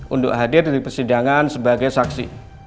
untuk hadir di persidangan sebagai saksi